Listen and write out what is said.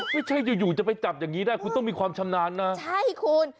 ไม่ใช่อยู่แต่ไปจับแบบนี้คุณต้องมีความชำนาญ